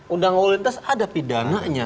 undang undang lintas ada pidana nya